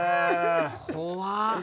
怖っ！